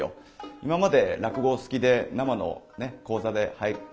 今まで落語お好きで生の高座で拝見